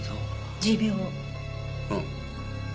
うん。